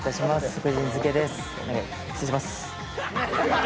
福神漬けです。